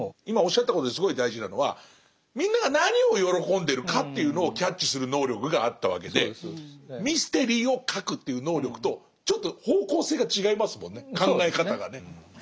今おっしゃったことですごい大事なのはみんなが何を喜んでるかっていうのをキャッチする能力があったわけでミステリーを書くという能力とちょっと方向性が違いますもんね考え方がね。